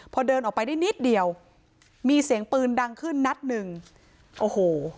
พอเดินออกไปได้นิดเดียวมีเสียงปืนดังขึ้นนัดหนึ่งโอ้โห